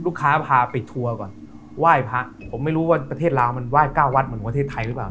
พาไปทัวร์ก่อนไหว้พระผมไม่รู้ว่าประเทศลาวมันไห้เก้าวัดเหมือนประเทศไทยหรือเปล่า